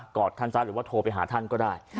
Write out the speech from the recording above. อดท่านซะหรือว่าโทรไปหาท่านก็ได้